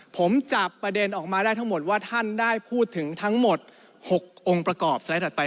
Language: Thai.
ผมจับประเด็นออกมาได้ทั้งหมดว่าท่านได้พูดถึงทั้งหมด๖องค์ประกอบสไลด์ถัดไป